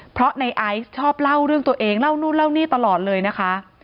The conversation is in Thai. เพราะในไอซ์ชอบเล่าเรื่องตัวเองเล่านู่นเล่านี่ตลอดเลยนะคะ